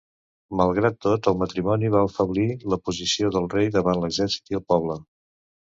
Malgrat tot, el matrimoni va afeblir la posició del rei davant l'exèrcit i el poble.